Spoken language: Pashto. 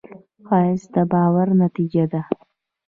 ښایست د باور نتیجه ده